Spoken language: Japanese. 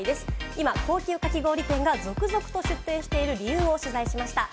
今、高級かき氷店が続々と出店している理由を取材しました。